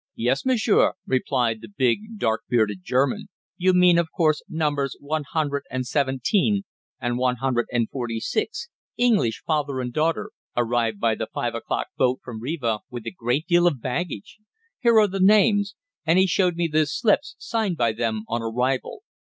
"Yes, monsieur," replied the big, dark bearded German; "you mean, of course, numbers one hundred and seventeen and one hundred and forty six English, father and daughter, arrived by the five o'clock boat from Riva with a great deal of baggage here are the names," and he showed me the slips signed by them on arrival.